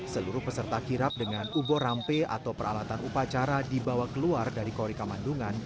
seluruh peserta kirap dengan ubor rampe atau peralatan upacara dibawa keluar dari kori kamandungan